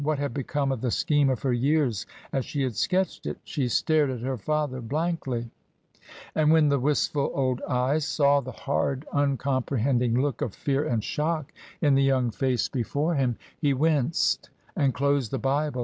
What had become of the scheme of her years as she had sketched it ? She stared at her father blankly. And when the wistful old eyes saw the hard uncom prehending look of fear and shock in the young face TRANSITION.